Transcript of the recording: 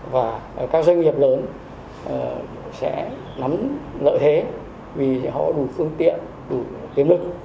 và các doanh nghiệp lớn sẽ nắm lợi thế vì họ đủ phương tiện đủ tiềm lực